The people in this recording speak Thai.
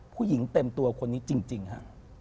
ผู้หญิงเต็มตัวคนนี้จริงค่ะ